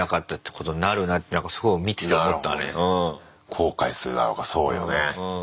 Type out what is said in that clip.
後悔するだろうからそうよね。